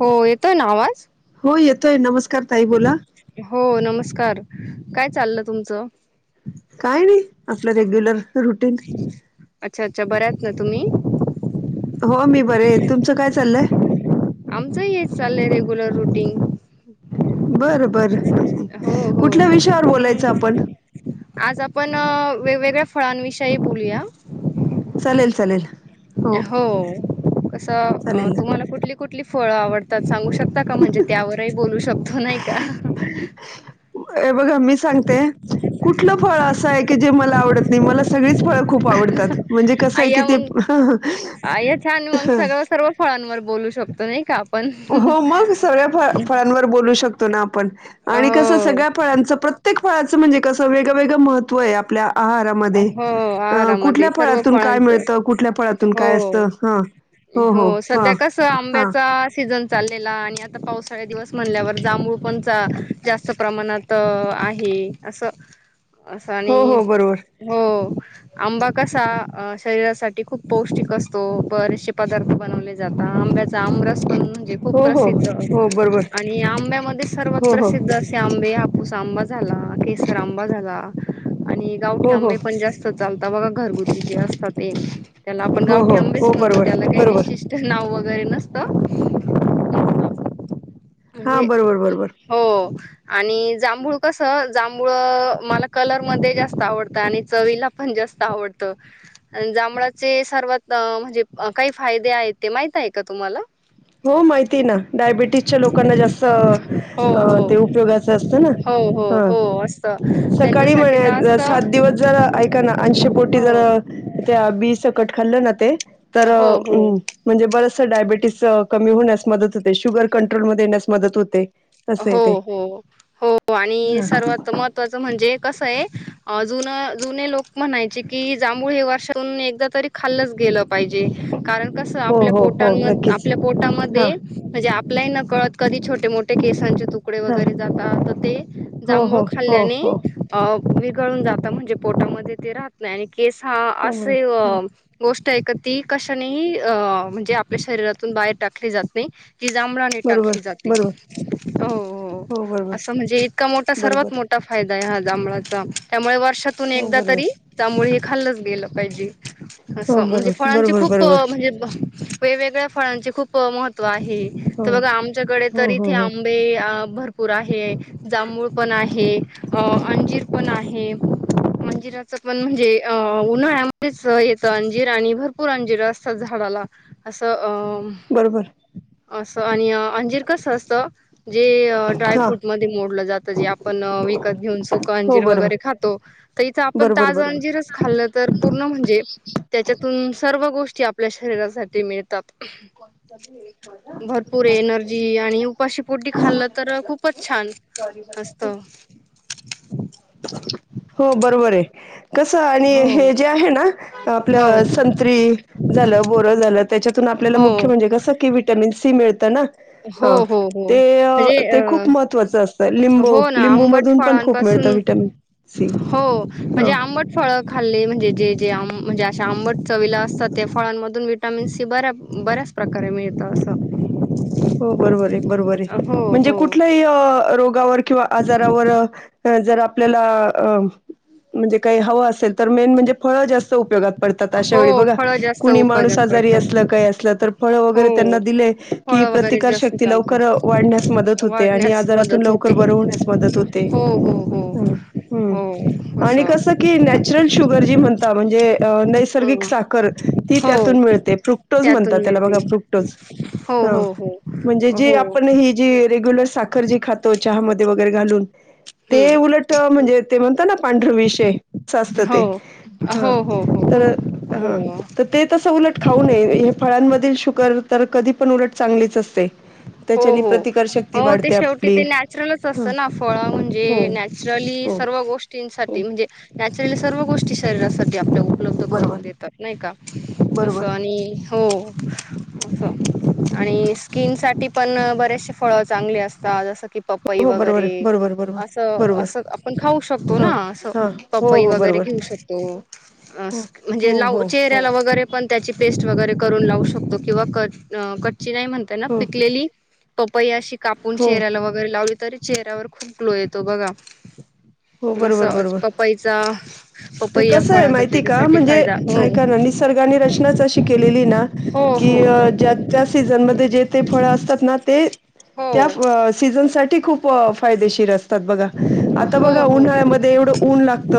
हो येतोय ना आवाज? हो येतोय. नमस्कार ताई बोला हो नमस्कार, काय चालल तुमचं? काय नाही आपलं रेग्युलर रुटीन. अच्छा अच्छा, बऱ्यात ना तुम्ही? हो मी बरी आहे. तुमचं काय चाललंय? आमचंही हेच चाललंय रेग्युलर रुटीन. बरं बर, हो हो कुठल्या विषयावर बोलायचं आपण? आज आपण अ वेगवेगळ्या फळांविषयी बोलूया. चालेल चालेल. हो कसं, चालेल ना तुम्हाला कुठली कुठली फळं आवडतात सांगू शक शकता का म्हणजे त्यावरही बोलू शकतो नाही का? अ बघा मी सांगते, कुठलं फळ असं आहे की जे मला आवडत नाही, मला सगळीच फळं खूप आवडतात. म्हणजे कसं आहे की अय्या मग, ते अय्या छान मग सगळं सर्व फळांवर बोलू शकतो नाही का आप हो मग सगळ्या फ फळांवर बोलू शकतो ना आपण. आणि कसं सगळ्या हो फळांचं प्रत्येक फळाचं म्हणजे कसं, वेगवेगळ महत्त्व आहे आपल्या आहारामध्ये, हो अ आहारामध्ये कुठल्या सर्व फळातून काय फळांचं मिळतं, कुठल्या फळातून काय हो असतं हा हो सध्या कसं आंब्याचा सीझन चाललेला आणि आता पावसाळे दिवस म्हणल्यावर जांभूळ पण जास्त प्रमाणात आहे. हे, असं असं हो, आणि हो, बरोबर. हो, आंबा कसा शरीरासाठी खूप पौष्टिक असतो, बरेचसशे पदार्थ बनव ले जाता, आंब्याचा आमरस पण खूप हो, हो, प्रसिद्ध, हो, बरोबर. आणि आंब्यामध्ये सर्वात हो, हो, प्रसिद्ध असे आं आंबे हापूस आंबा झाला, केसर आंबा झाला आणि गावठी हो, हो, आंबे पण जास्त चालता बघा घरगुती जे असता ते. त्याला आपण हो, गावठी हो, आंबेच हो, म्हणतो बरोबर, त्याला काही बरोबर. विशिष्ट नाव व गैरे नसतं, म्हणजे हां, बरोबर, बरोबर. हो आणि जांभूळ कसं, जांभूळ अ मला कलर मध्ये जास्त आवडतं आणि चवीला पण जा स्त आवडतं, अन जांभळाचे सर्वात म्हणजे काही फायदे आहेत ते माहित आहे का तुम्हाला? हो माहिती ना, डायबिटी च्या लोकांना जास्त हो ते हो उपयोगाच असतं ना हो हो हा हो असतं सकाळी त्यांच्यासाठी तर म्हणे, असतं सात दिवस जर ऐका ना आंशी पोटी हो जर त्या बी कट खाल्लं ना, ते तर हो हो अ बरेच डायबेटीस कमी होण्यास मदत होते. शुगर कंट्रोल मध्ये येण्यास मदत होतें. हो हो हो आणि सर्वात महत्त्वाचं म्हणजे, कसं आहे. जुन जुने लोक म्हणायचे, की जांभूळ हे वर्षातून एकदा तरी खालचं गेलं पाहिजे, कारण कसं हो आपल्या हो हो पोटामध्ये नक्कीच आपल्या हा पोटामध्ये म्हणे लय न कळत कधी छोटे मोठे केसांचे तुकडे हा वगैरे जातात. तर ते हो जांभूळ हो हो खाल्ल्याने हो हो अ विरघळून जात म्हणजे, पोटामध्ये ते राहत नाही. आणि केस हा बरोबर असे हा गोष्ट ती कशानेही अ म्हणजे, आपल्या शरीरातून बाहेर टाकली जात नाही. ती जांभळाने बरोबर टाकली जाते. बरोबर हो, हो, असं म्हणजे इतका मोठा बरोबर सर्वात मोठा फायदा हा जांभळाचा त्यामुळे वर वर्षातून हो एकदा बरोबर तरी जांभूळ हे खाल्लचं गेल पाहिजे, हो असं म्हणजे बरोबर फळांच बरोबर खूप बरोबर [unintelligible] वेगवेगळ्या फळांचे खूप महत्त्व आहे. हो तर बघा आमच्याकडे तर हो इथे हो हो आंबे अ भरपूर आहे. जांभूळ पण आहे. अंजीर पण आहे. अंजिराच पण म्हणजे, अ उन्हाळ्यामध्येच येतं अंजिर आणि भरपूर अंजिर असतात. झाड असं बरोबर अ असं आणि अंजीर कसं असतं. जे हा ड्रायफ्रूट मध्ये मोडलं जात. जे आपण विकत घेऊन सुकं हो अंजीर बरोबर वगैरे, खातो. तर इथं आपण बरोबर ताज बरोबर अंजिरच खाल्लं, तर पूर्ण म्हणजे त्याच्यातून सर्व गोष्टी आपल्या शरीरासाठी मिळतात. भरपूर एनर्जी जी आणि [unintelligible] उपाशी पोटी खाल्लं तर मिनिटं फक्त खूपच हं छानच! सॉरी बर असतं. हो बरोबर आहे. कसं आणि हो हे जे आहे, ना. हो आपलं संत्री झालं बोरं झालं त्याच्यातून आपल्याला हो मुख्य म्हणजे क स की विटॅमिन सी मिळत हो हो हो म्हणजे, ते खूप महत्त्वाचं असतं अ लिंबू हो ना लिंबू आंबट मधून पण खूप फळांपासून मिळतं विटॅमिन सी हो, हा म्हणजे आंबट फळ खाल्ले म्हणजे, जे जे आम म्हणजे, अशा आंबट चवीला असतात. त्या फळांमधून विटामिन सी बऱ्या बऱ्याच प्रकारे मिळत असंतं. हो बरोबर आहे. बरोबर आहे. म्हणजे हो कोठल्याही अ रोगावर किंवा आजारावर जर आपल्याला अ म्हणजे, काही हवं असेल, तर मेन म्हणजे फळं जास्त उपयोगात त अशा हो वेळी बघा फळं जास्त कुणी माणूस उपयोगात आजारी पडतात असलं काही असलं तर फळ हो वगैरे त्यांना दिले कि फळं वगैरे प्रतिकार जास्त शक्ती लवकर चालतात वाढण्यास मदत होते. आणि वाढण्यास आजारातून मदत लवकर होते बर होण्यास मदत होते. हो हो हो हो आणि असं कस की नॅचरल शुगर जी म्हणता म्हणजे नैसर्गिक हं साखर ती हो त्यातून मिळते. प्रुक्टोज त्यातून म्हणतात. त्याला बघा मिळते फ्रुक्टोज. हो हा हो म्हणजे हो जी हो आपण ही जी रेग्युलर साखर जी खातो. चहामध्ये वगैरे घालून ते हम्म उलट म्हणजे, ते म्हणतात ना पांढर विष ये अस असत हो ते हा. हो, हो. तर हो ह हो ते तसं उलट खाऊ नये, फळां म तर कधी पण उलट चांगलीच असते. हो त्याच्याने हो प्रतिकारशक्ती हो ते वाढते शेवटी आपली ते नॅचरलच ह असतं ना फळ म्हणजे, हो नॅचरली हो सर्व हो गोष्टींसाठी म्हणजे, नॅचरली सर्व गोष्टी शरीरासाठी आपल्या उपलब्ध बरोबर करून देतात, नाही का असं बरोबर आणि हो असं आणि स्किन साठी पण बरेचसे फळ चांगली असतात. जसं कि पपई हो बरोबर वगैरे बरोबर बरोबर असं, बरोबर असं आपण खाऊ शकतो, हां ना असं हां हो पपई हो वगैरे बरोबर घेऊ शकतो, हो असं म्हणजे हो लाऊ हो हो चेहऱ्याला वैगरे, पण त्याची पेस्ट वगैरे करून लावू शकतो. किंवा कच्ची नाही म्हणता येणार, हो पिकलेली पपई कापून हो चेहऱ्याला वगैरे लावली. तरी चेहऱ्यावर खूप ग्लो येतो बघा. हो बरोबर असं बरोबर पप्पईचा कसं आहे माहिती का? म्हणजे हो ऐका ना निसर्गाने रचनाच अशी केलेली ना की हो ज्या त्या सिझन मध्ये ते फळ असतात ना ते हो त्या सीजन साठी खूप फायदेशीर असतात बघा हो आता हो बघा हो उन्हाळ्यामध्ये एवढं ऊन लागत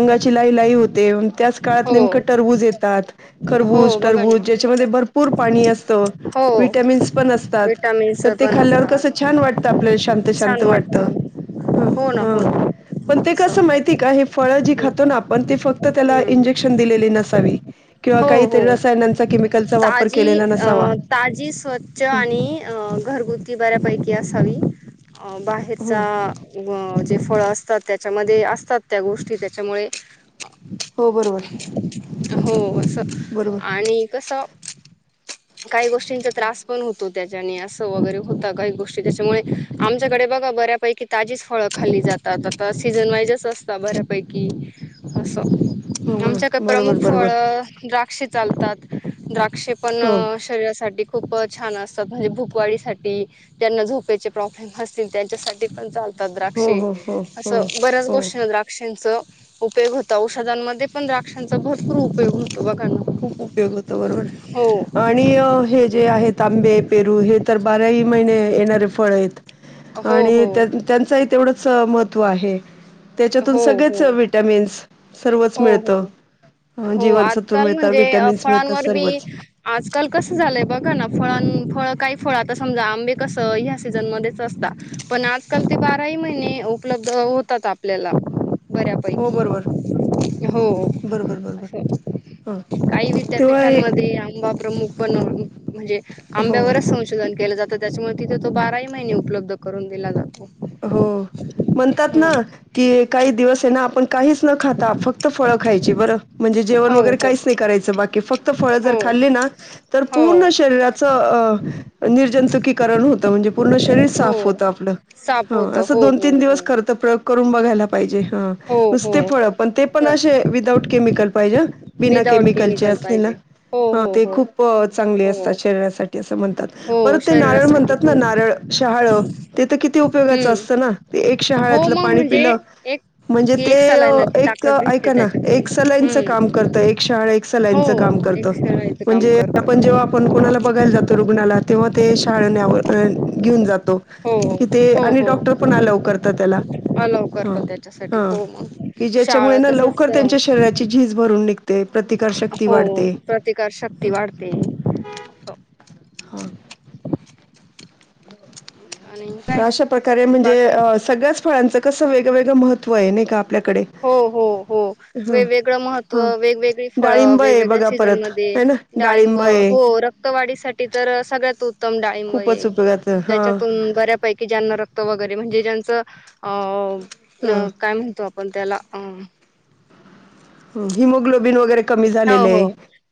अंगाची लाही लाही होते त्याच काळात हो नेमके हो टरबुज येतेय हो खरबूज बघा टरबुज ना ज्यांच्यामध्ये त्याच्यामध्ये भरपूर पाणी असतं हो व्हिटॅमिन्स पण असतात विटामिन्स तर ते पण खाल्ल्यावर का असतात छान वाटतं आपल्या शांत शांत वाटतं ह हो ना हा हो पण ना ते असं कसं माहिती का हे फळ जी हम्म खातोना आपण ते फक्त त्याला हम्म इंजेक्शन दिलेली नसावी किंवा हो काही हो त्याला रासायनाचं केमिकल चा ताजी अ ताजी स्वच्छ हं, आणि अ घरगुती बऱ्यापैकी असावी अ हं. बाहेरचा जे फळ असतात त्याच्यामध्ये असतात त्या गोष्टी त्याच्यामुळे हो बरोबर हो असं बरोबर. आणि कसं काही गोष्टींचा त्रास पण होतो त्याच्या असं वगैरे होत काही गोष्टी त्याच्यामुळे आमच्याकडे बघा बऱ्या पैकी ताजीच फळं खाल्ली जातात आता सीझन वाईजच असतात बऱ्यापैकी हो आमच्याकडे बरोबर, बरोबर, प्रमुख फळ बरोबर. द्राक्ष द्राक्ष चालतात द्राक्ष पण हो. शरीरासाठी खूप छान असतात म्हणजे भूकवाडी साठी त्यांना झोपेचे प्रॉब्लेम असतील त्यांच्यासाठी पण चालतात द्राक्ष हो, हो, हो, हो, असं बऱ्याच हो. गोष्टीना द्राक्षांच उपयग होता औषधांमध्ये पण द्रा क्षांचा भरपूर उपयोग होतो बघा ना खूप उपयोग होत बरोबर हो आणि हे जे आहे तांबे पेरू हे तर बाराही महिने येणारे फळ आहेत हो आणि हो त्यांचही तेवढंच च महत्व आहे त्याच्यातून हो सगळेच हो विटमिन्स सर्वच हो मिळत हो हो जीवनसत्व आजकाल मिळत म्हणजे फळांवर मबी आजकाल कसं झालंय बघा ना फळां फळ काही फळ आता समजा आंबे कस ह्या सीझन मध्येच असतात पण आजकाल ते बाराही महिने उपलब्ध होतात आपल्याला हो बऱ्यापैकी बरोबर हो बरोबर बरोबर अस ह काही तेव्हा हे विद्यापीठांमध्ये आंबा प्रमुख पण म्हणजे हो आंब्यावरच संशोधन केलं जातं त्याच्यामुळे तिथे तो बाराही महिने उपलब्ध करून दिला जातो हो म्हणतात ह ना की काही दिवस आहे ना आपण काहीच न खाता फक्त फळं खायची बरं म्हणजे जेवण हो वगैरे हो काहीच नाही करायचं बाकी फक्त फक्त फळ जर हो खाल्ली ना तर हो पूर्ण शरीराचं निर्जुकीकरण होत म्हण पूर्ण शरीर हो साफ होत साप आपलं होत अस हो दोन हो तीन हो दिवस खर तर प्रयोग करून बघायला पाहिजे हा हो नुसते हो फळं पण ते पण तर असे विदाउट केमिकल पाहिजे बिना विदाउट केमिकलचे केमिकल असले ना पाहिजे. हो ह हो ते हो खूप चांगले असतात हो शरीरासाठी अस म्हणतात हो परत ते नारळ शरीरासाठी म्हणतात हो ना नारळ शहाळ ते तर किती उपयोगाच असत हम्म ना एक हो शळ मग पाणी म्हणजे पिलं एक म्हणजे की ते एक सलायनाची एक ताकद भेटते ऐका ना त्याच्यातून एक सलाईनचं काम हम्म करतं एक शाळ एक हो सलाईनचं काम करत एक सलाईचं काम म्हणजे आपण जेंव्हा करतात कोणाला बघायला बघायला जातो रुग्णालयात तेंव्हा ते शाळ घेऊन जातो हो क ते हो आणि हो डॉक्टर पण लवकर तर त्याला अलाव करतात त्याच्यासाठी हो मग कि ज्याच्यामुळे शाळा तसच लवकर त्यांच्या शरीराची झज भरून येते ते प्रतिकार शक्ती हो वाढते प्रतिकार शक्ती वाढते. असं हा हो आणि काय तर अशा प्रकारे म्हणजे बाकी सगळ्याच फळांचं कसं वेगवेगळं महत्त्व आहे नाही का आपल्याकडे. हो हो हो हं, वेगवेगळं महत्त्व हां. वेगवेगळी फळ डाळिंब आहे वेगवेगळ्या बघा परत सीझनमध्ये आहे ना डाळिंब आहे हो रक्तवाढीसा ठी तर सगळ्यात उत्तम डाळिंब खूपच ये उपयोगाचं हां. ज्याच्यातून बऱ्यापैकी ज्यांना रक्त वगैर म्हणजे ज्यांचं हां, अ काय म्हणतो आप पणत्याला ह हिमोग्लोबिन वगैरे कमी झालेलय हो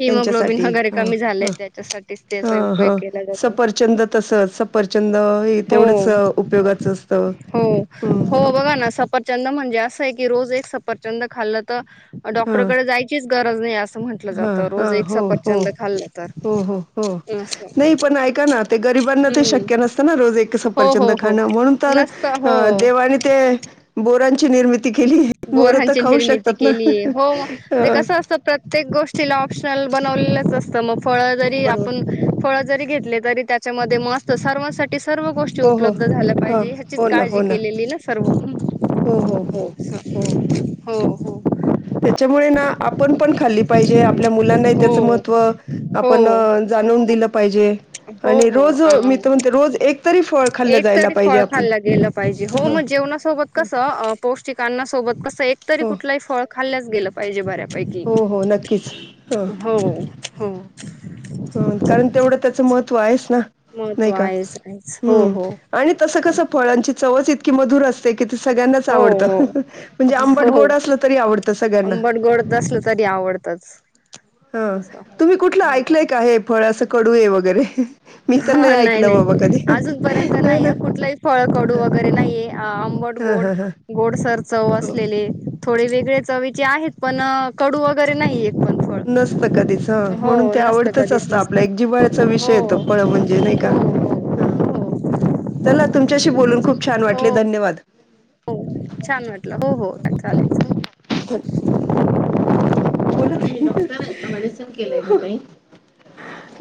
हिमोग्लोबिन त्यांच्यासाठी वगैरे हं कमी झालंय हं त्याच्यासाठीच त्याचा हं उपयोग हं केला जातो सफर चंद तस सपरचंद हे तेवढंच हो उपयोगाचं असतं. हो हं, हो बघा ना सफरचंद म्हणजे असंय की रोज एक सप सफरचंद खाल्ल त डॉक्टरकड जायचीच गरज नाही अस हा हा हो हो तर हो हो हो असं नाही पण ऐका ना ते गर रिबांना ते हम्म शक्य नसत ना रोज हो सफरचंद हो हो खाण. म्हणून तर नसतं अ हो देवाने ते बोरांची निर्मि केली बोरं तर बोरांची खाऊ निर्मिती शकतात ना. केलीय हो हं त्याला ऑपशनल बनवलेलच असत म फळ हो, जरी बरोबर. आपण फळ जरी घेत ले तरी त्याच्यामध्ये म असत सर्वांसाठी ते सर्व गोष्टी हो, हो. उपलब्ध झाल्या हां. पाहिजे ह्याचीच हो ना, काळजी हो केलेली ना सर्व हो, हो, हो, हो. हो हो. त्याच्यामुळे ना आपण पण खाल्ली पाहिजे. आपल्या मुलांनाही हो त्याचं महत्त्व आपण हो जाणून दिलं पाहिजे. हो आणि हो रोज अ मी म्हणते रोज एकतरी फळ खाल्लं एक जायला तरी पाहिजे फळ आपण खाल्लं गेलं पाहिजे हो हं मग जेवणासोबत कसं अ पौष्टिक अन्ना सोबत कसं एकतरी हो. कुठलंही फळ खाल्लंच गेलं पाहिजे बऱ्या पैकी हो, हो. नक्कीच. हो हो. ह कारण तेवढं त्याचं महत्त्व आहेच ना. महत्त्व नाही का, आहेच आहेच हो हम्म हो आणि तस हो कस फळांची चवच इतकी मधुर असते. की ते सगळ्यांनाच आवडत हो म्हणजे हो आंबट हो गोड असलं तरी आवडत सगळ्यांना आंबट गोड असलं तरी आवडतच ह असं तुम्ही कुठलं हो ऐकलंय का हे फळ असं कडू ये वगैरे मी तर हा नाही ऐकलं बाबा नाही कधी. अजून पर्यंत हो नाही ना. कुठलाही फळकडू हं, वगैरे नाहीये. आंब बट हं, गोड, हं, हं. गोड सर चव हो. असलेले थोडे वेगळे चवीचे आहेत पण कडू वगैरे नाहीयेत. नसत कधीच ह म्हणून ते नसतं आवडतच कधीच असतं आपल्या नसतं एक जीवाळ्याचा हो विषय ये तो फळ म्हणजे नाही का हो हं, हो हो चला तुमच्याशी बोलून खूप छान वाटले धन्यवाद. हो छान वाटलं हो हो चालेल चालेल. [unintelligible] ते डॉक्टर आहेत ना मेडिसिन केलयनं ते